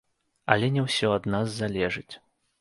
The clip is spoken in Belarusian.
Але не ўсё ад нас залежыць.